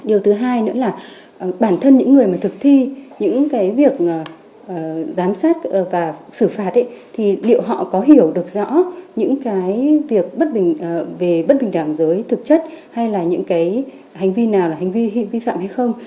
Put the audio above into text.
điều thứ hai nữa là bản thân những người mà thực thi những cái việc giám sát và xử phạt ấy thì liệu họ có hiểu được rõ những cái việc bất về bất bình đẳng giới thực chất hay là những cái hành vi nào là hành vi vi phạm hay không